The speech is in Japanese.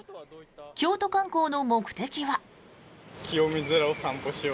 京都観光の目的は。